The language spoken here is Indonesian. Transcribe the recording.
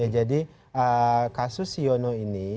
jadi kasus si uno ini